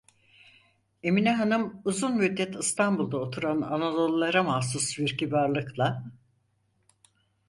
Emine hanım, uzun müddet İstanbul’da oturan Anadolululara mahsus bir kibarlıkla: